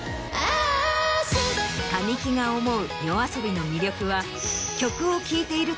神木が思うＹＯＡＳＯＢＩの魅力は。